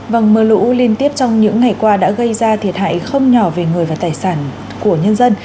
vâng mưa lũ liên tiếp trong những ngày qua đã gây ra thiệt hại không nhỏ về người và tài sản của nhân dân